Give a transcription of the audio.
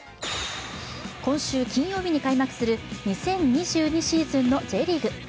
今週金曜日に開幕する２０２２シーズンのＪリーグ。